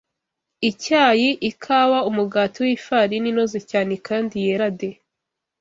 Icyayi, ikawa, umugati w’ifarini inoze cyane kandi yera de,